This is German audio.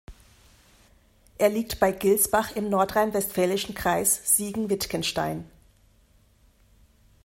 Er liegt bei Gilsbach im nordrhein-westfälischen Kreis Siegen-Wittgenstein.